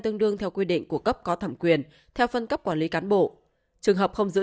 tương đương theo quy định của cấp có thẩm quyền theo phân cấp quản lý cán bộ trường hợp không giữ